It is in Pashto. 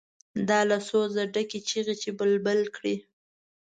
دا له سوزه ډکې چیغې چې بلبل کړي.